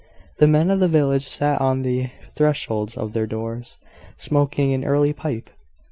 The men of the village sat on the thresholds of their doors, smoking an early pipe!